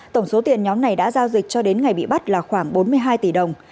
tổng số tiền nhóm này đã giao dịch cho đến ngày bị bắt là khoảng bốn mươi hai tỷ đồng